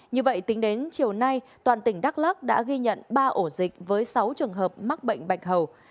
như vậy tính đến chiều nay toàn tỉnh đắk lắc đã ghi nhận ba ổ dịch với sáu trường hợp mắc bệnh bạch hầu